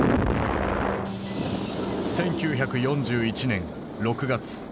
１９４１年６月。